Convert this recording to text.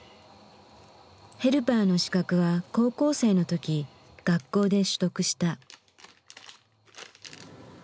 ヘルパーの資格は高校生の時学校で取得した。